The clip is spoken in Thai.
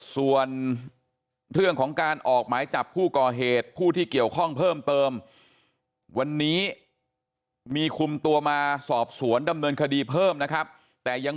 ส่วนเรื่องของการออกหมายจับผู้ก่อเหตุผู้ที่เกี่ยวข้องเพิ่มเติมวันนี้มีคุมตัวมาสอบสวนดำเนินคดีเพิ่มนะครับแต่ยัง